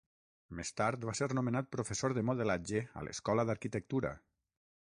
Més tard va ser nomenat Professor de Modelatge a l'Escola d'Arquitectura.